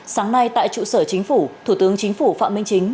sáng nay tại trụ sở chính phủ thủ tướng chính phủ phạm minh chính